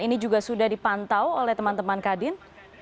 ini juga sudah dipantau oleh teman teman kadin